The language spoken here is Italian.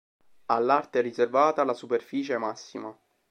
All'arte è riservata la superficie massima.